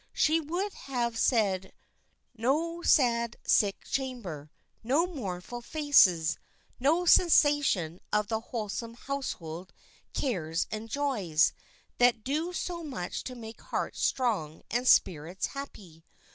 She would have no sad sick chamber, no mournful faces, no cessation of the wholesome household cares and joys, that do so much to make hearts strong and spirits happy.